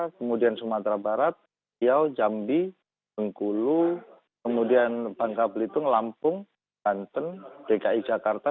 kemudian sumatera barat riau jambi bengkulu kemudian bangka belitung lampung banten dki jakarta